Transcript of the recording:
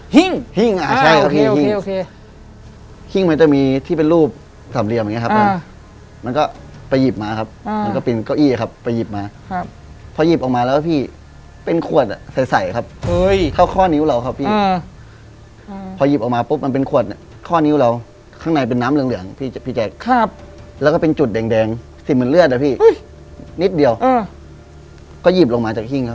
อเจมส์อเจมส์อเจมส์อเจมส์อเจมส์อเจมส์อเจมส์อเจมส์อเจมส์อเจมส์อเจมส์อเจมส์อเจมส์อเจมส์อเจมส์อเจมส์อเจมส์อเจมส์อเจมส์อเจมส์อเจมส์อเจมส์อเจมส์อเจมส์อเจมส์อเจมส์อเจมส์อเจม